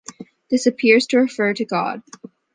This appears to refer to God.